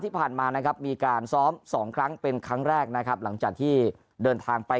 ที่ผ่านมานะครับมีการซ้อมสองครั้งเป็นครั้งแรกนะครับหลังจากที่เดินทางไป